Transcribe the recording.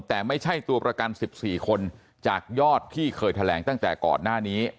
แต่ไม่ใช่ตัวประกัน๑๔คนจากยอดที่เคยแถลงตั้งแต่ก่อนหน้านี้